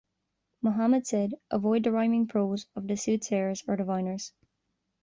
Muhammad said, Avoid the rhyming prose of the soothsayers or diviners.